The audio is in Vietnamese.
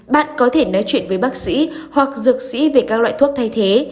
bạn có thể nói chuyện với bác sĩ hoặc dược sĩ về các loại thuốc thay thế